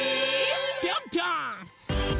ぴょんぴょん！